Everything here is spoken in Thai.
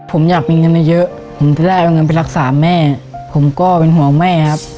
ผมอยากมีเงินเยอะผมจะได้เอาเงินไปรักษาแม่ผมก็เป็นห่วงแม่ครับ